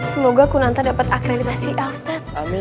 semoga kun anta dapat akreditasi ya ustadz